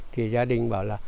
thì gia đình bảo là